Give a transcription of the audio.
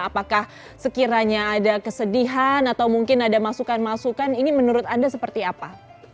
apakah sekiranya ada kesedihan atau mungkin ada masukan masukan ini menurut anda seperti apa